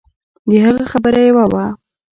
د هغه خبره يوه وه.